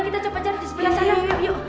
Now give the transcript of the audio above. kita coba cari di sebelah sana yuk